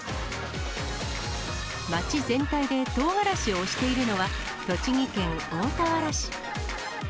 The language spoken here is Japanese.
町全体でとうがらしを推しているのは、栃木県大田原市。